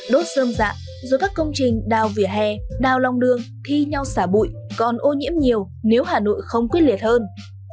đốt sơm dạ rồi các công trình đào vỉa hè đào long đường thi nhau xả bụi còn ô nhiễm nhiều nếu hà nội không quyết liệt hơn